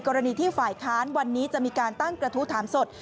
กรณีที่ฝ่ายค้านวันนี้จะมีการตั้งกระทู้ถามสด